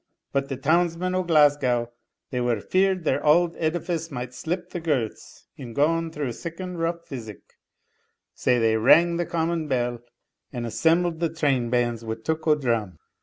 But the townsmen o' Glasgow, they were feared their auld edifice might slip the girths in gaun through siccan rough physic, sae they rang the common bell, and assembled the train bands wi' took o' drum.